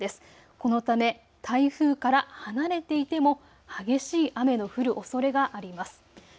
このため台風から離れていても激しい雨の降るおそれがあります。